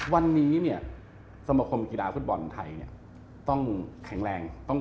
วันนี้เนี่ยสมคมกีฬาฟุตบอลไทยเนี่ยต้องแข็งแรง